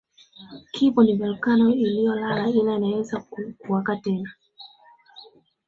Kibo ni volkeno iliyolala ila inaweza kuwaka tena